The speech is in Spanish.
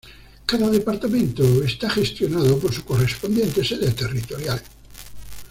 Cada departamento está gestionado por su correspondiente sede territorial.